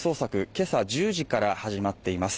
今朝１０時から始まっています